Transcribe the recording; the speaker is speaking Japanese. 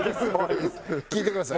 聞いてください。